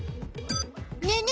ねえね